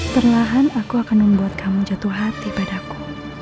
perlahan aku akan membuat kamu jatuh hati padaku